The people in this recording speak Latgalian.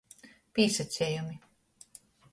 Pīsacejumi.